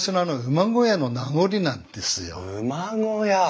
馬小屋？